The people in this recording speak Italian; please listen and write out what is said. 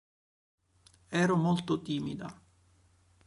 Ero molto timida.